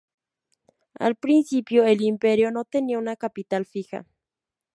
Al principio el imperio no tenía una capital fija.